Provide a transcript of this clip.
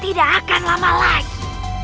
tidak akan lama lagi